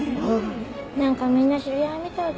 何かみんな知り合いみたいですね。